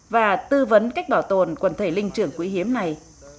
và tư vấn cách bảo tồn quần thể linh trưởng quý hiếm này